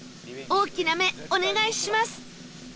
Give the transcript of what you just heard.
大きな目お願いします